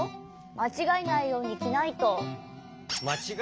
まちがえないようにきないと。